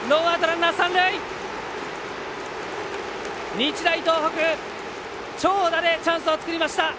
日大東北、長打でチャンスを作りました。